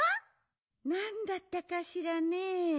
なんだったかしらね。